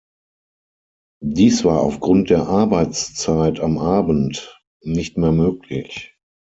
Dies war aufgrund der Arbeitszeit am Abend nicht mehr möglich.